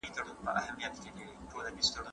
ستا سترګو كي